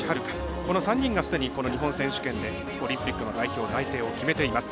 この３人がすでにこの日本選手権でオリンピックの代表内定を決めています。